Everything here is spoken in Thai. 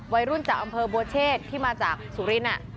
วัยรุ่นจากอำเภอบัวเชษที่มาจากสุรินทร์